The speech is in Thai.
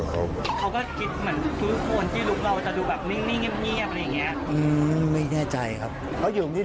เห็นนะอย่างนี้